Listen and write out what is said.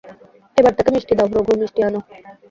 এবার তাকে মিষ্টি দাও, রঘু, মিষ্টি আনো।